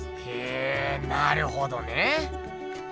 へぇなるほどね。